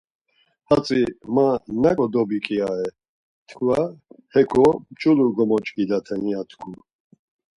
Hatzi, ma naǩo dobiǩirare, tkva heǩo nç̌ulu gomoç̌ǩidaten ya tku.